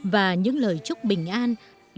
và những lời chúc bình an